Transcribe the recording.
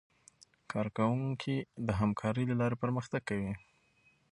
کارکوونکي د همکارۍ له لارې پرمختګ کوي